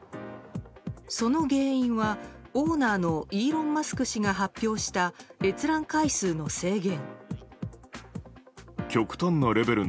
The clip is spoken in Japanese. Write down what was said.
その原因はオーナーのイーロン・マスク氏が発表した閲覧回数の制限。